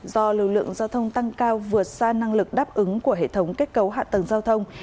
do lưu lượng giao thông tăng cao vượt xa năng lực đáp ứng của hệ thống kết cấu hạ tầng giao thông